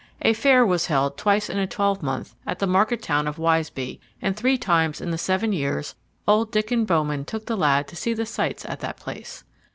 A fair was held twice in a twelvemonth at the market town of Wisebey, and three times in the seven years old Diccon Bowman took the lad to see the sights at that place.